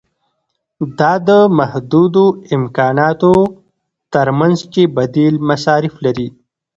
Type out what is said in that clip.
دا د محدودو امکاناتو ترمنځ چې بدیل مصارف لري.